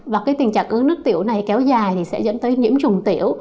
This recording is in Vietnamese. và cái tình trạng ớn nước tiểu này kéo dài thì sẽ dẫn tới nhiễm trùng tiểu